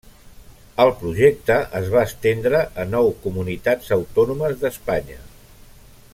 El projecte es va estendre a nou comunitats autònomes d'Espanya.